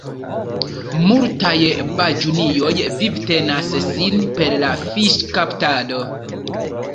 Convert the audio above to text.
Multaj baĝunioj vivtenas sin per la fiŝkaptado.